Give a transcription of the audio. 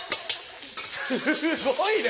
すごいね！